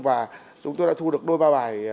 và chúng tôi đã thu được đôi ba bài